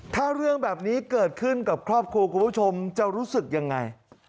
ถ้าเรื่องแบบนี้เกิดขึ้นกับครอบครัวคุณผู้ชมจะรู้สึกยังไง